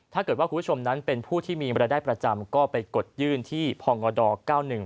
ถ้าเกิดว่าคุณผู้ชมนั้นเป็นผู้ที่มีรายได้ประจำก็ไปกดยื่นที่พงด๙๑